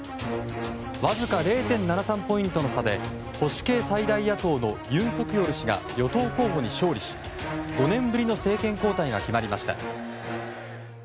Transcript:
わずか０．７３ポイントの差で保守系最大野党の尹錫悦氏が与党候補に勝利し５年ぶりの政権交代が決まりました。